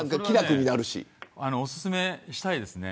お勧めしたいですね。